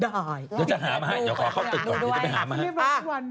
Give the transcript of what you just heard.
เดี๋ยวขอเข้าตึกก่อนพี่จะไปหามา